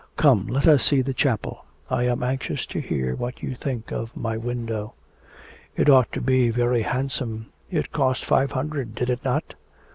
Come, let us see the chapel; I am anxious to hear what you think of my window.' 'It ought to be very handsome; it cost five hundred, did it not?'